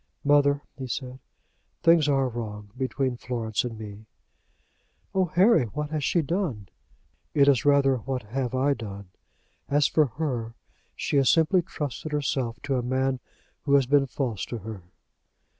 "Mother," he said, "things are wrong between Florence and me." "Oh, Harry; what has she done?" "It is rather what have I done! As for her, she has simply trusted herself to a man who has been false to her."